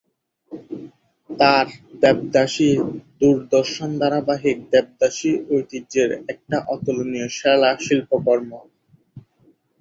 তাঁর 'দেবদাসী' দূরদর্শন ধারাবাহিক দেবদাসী ঐতিহ্যের একটা অতুলনীয় সেরা শিল্পকর্ম।